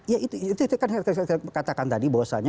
ya itu kan saya katakan tadi bahwasanya